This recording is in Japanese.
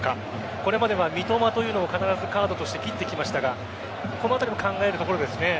これまでは三笘というのを必ずカードとして切ってきましたがこのあたりも考えるところですね。